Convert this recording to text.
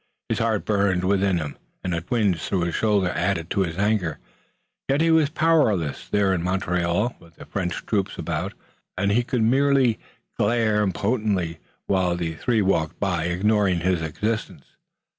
His heart burned within him and a twinge through his shoulder added to his anger. Yet he was powerless there in Montreal with the French troops about, and he could merely glare impotently while the three walked by ignoring his existence.